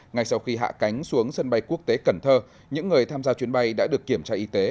ngay sau khi hạ cánh xuống sân bay quốc tế cần thơ những người tham gia chuyến bay đã được kiểm tra y tế